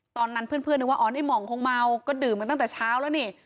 ตอนนั้นเพื่อนนึกว่าอ๋อในหม่องคงเมาก็ดื่มกันตั้งแต่เช้าแล้วนี่